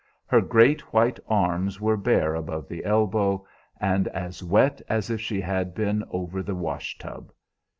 Her great white arms were bare above the elbow, and as wet as if she had been over the wash tub.